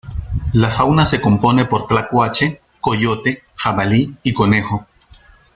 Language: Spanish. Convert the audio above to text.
La fauna se compone por tlacuache, coyote, jabalí y conejo.